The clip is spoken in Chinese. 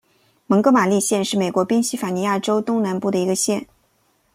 蒙哥马利县是美国宾夕法尼亚州东南部的一个县。